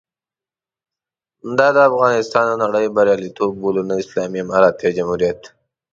دا د افغانستان او نړۍ بریالیتوب بولو، نه اسلامي امارت یا جمهوریت.